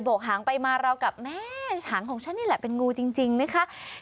กหางไปมาเรากับแม่หางของฉันนี่แหละเป็นงูจริงนะคะ